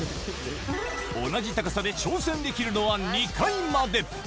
同じ高さで挑戦できるのは２回まで。